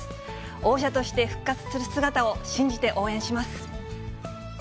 王者として復活する姿を信じて応援します。